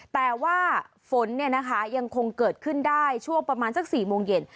แต่ว่าฝนยังคงเกิดขึ้นได้ช่วงประมาณสัก๔โมงเย็น